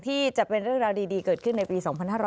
ที่จะเป็นเรื่องราวดีเกิดขึ้นในปี๒๕๕๙